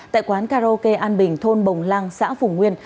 tại quán karaoke an bình thôn bồng lăng xã phùng nguyên